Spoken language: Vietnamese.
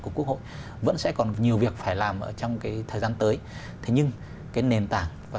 của quốc hội vẫn sẽ còn nhiều việc phải làm ở trong cái thời gian tới thế nhưng cái nền tảng và